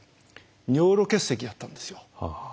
尿路結石やったんですよ。